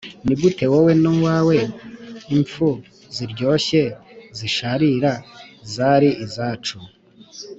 nigute wowe nuwawe, impfu ziryoshye, zisharira zari izacu. ...